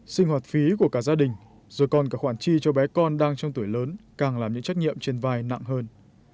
sinh hoạt phí của cả gia đình rồi còn cả khoản chi cho bé con đang trong tuổi lớn càng làm những trách nhiệm trên vai nặng hơn